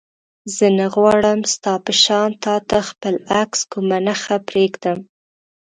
زه نه غواړم ستا په شان تا ته خپل عکس کومه نښه پرېږدم.